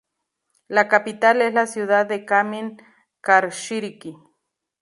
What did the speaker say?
La capital es la ciudad de Kamin-Kashyrskyi.